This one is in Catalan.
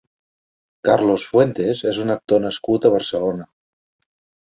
Carlos Fuentes és un actor nascut a Barcelona.